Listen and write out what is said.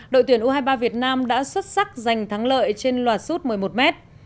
đội tuyển u hai mươi ba việt nam đã xuất sắc giành thắng lợi trên loà suốt một mươi một mét